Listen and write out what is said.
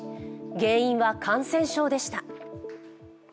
原因は感染症でした。